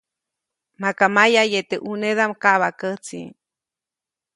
Maka mayaʼye teʼ ʼnunedaʼm kaʼbaʼkäjtsi.